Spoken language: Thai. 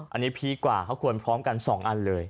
อันนี้พีคกว่าเขาควรพร้อมกัน๒อันเลย